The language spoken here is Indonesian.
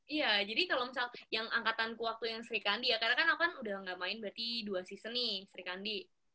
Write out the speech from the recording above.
iya jadi kalau misalnya yang angkatanku waktu yang serikandi ya karena kan aku kan udah gak main berarti dua season nih serikandi